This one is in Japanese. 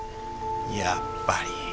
やっぱり。